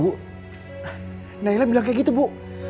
ibu nailah bilang kayak gitu bu